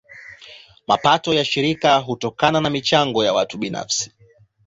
Mapato ya shirika hutokana na michango ya watu binafsi.